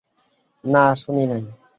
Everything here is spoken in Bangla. না, শুনি নাই।